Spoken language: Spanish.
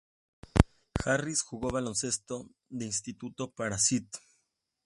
Harris jugó baloncesto de instituto para St.